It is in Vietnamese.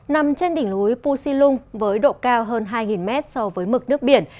nằm trên đỉnh núi phu si lung với độ cao hơn hai m so với mực nước biển